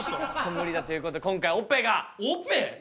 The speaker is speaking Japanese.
無理だということで今回オペが。